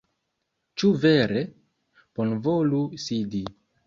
Ĉu vere? Bonvolu sidi